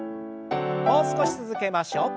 もう少し続けましょう。